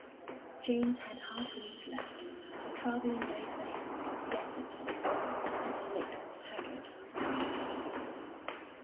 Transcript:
James had hardly slept, troubling over his perplexity, and he looked haggard and tired.